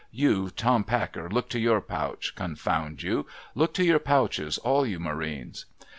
You Tom Packer, look to your pouch, confound you ! Look to your pouches, all you Marines.'